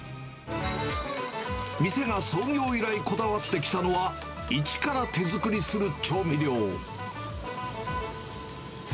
店が創業以来、こだわってきたのは、一から手作りする調味料。